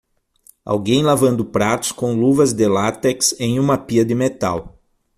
Alguém lavando pratos com luvas de látex em uma pia de metal.